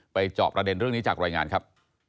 จอบประเด็นเรื่องนี้จากรายงานครับ